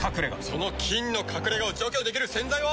その菌の隠れ家を除去できる洗剤は。